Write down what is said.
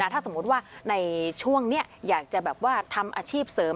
ถ้าสมมุติว่าในช่วงนี้อยากจะแบบว่าทำอาชีพเสริม